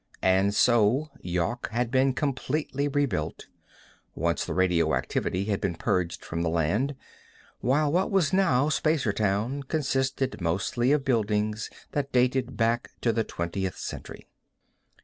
And so Yawk had been completely rebuilt, once the radioactivity had been purged from the land, while what was now Spacertown consisted mostly of buildings that dated back to the Twentieth Century.